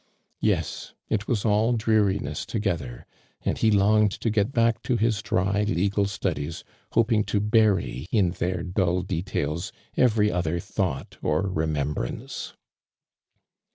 Yes, it was all dreariq^ss together, and he longed to get boo^ to his drv legal studies, hoping to bury in their dull details every other thought or rera@mbfance.